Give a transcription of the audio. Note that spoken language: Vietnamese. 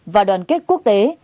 và đoàn kết quốc tế